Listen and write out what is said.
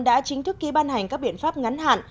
đã chính thức ký ban hành các biện pháp ngắn hạn